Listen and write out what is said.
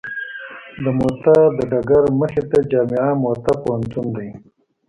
د موته د ډګر مخې ته جامعه موته پوهنتون دی.